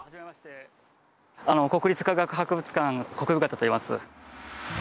国立科学博物館國府方といいます。